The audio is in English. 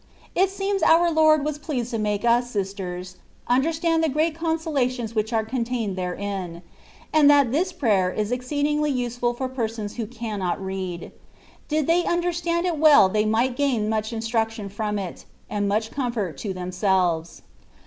It seems our Lord was pleased to make us, sisters, understand the great consolations which are contained therein, and that this prayer is exceedingly useful for per sons who cannot read : did they understand it well they might gain much instruction from it, and jnuch comfort to themselves.